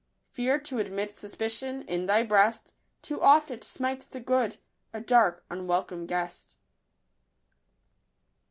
Fear to admit suspicion in thy breast, — Too oft it smites the good, — a dark, unwelcome guest.